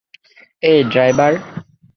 এই, ড্রাইভার।